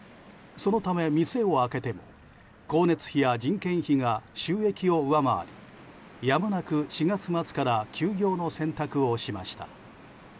そのため、店を開けても光熱費や人件費が収益を上回りやむなく４月末から休業の選択をしました。